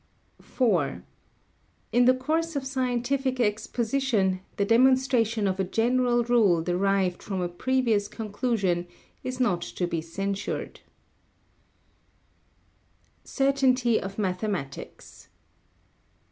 4. In the course of scientific exposition the demonstration of a general rule derived from a previous conclusion is not to be censured. [Sidenote: Certainty of Mathematics] 5.